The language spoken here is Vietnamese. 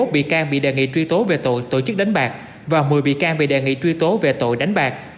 một mươi bị can bị đề nghị truy tố về tội tổ chức đánh bạc và một mươi bị can bị đề nghị truy tố về tội đánh bạc